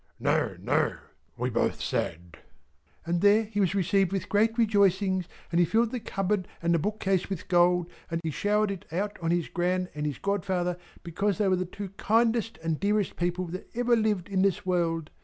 "No, no," we both said. "And there he was received with great rejoicings, and he filled the cupboard and the bookcase with gold, and he showered it out on his Gran and his godfather because they were the two kindest and dearest people that ever lived in this world.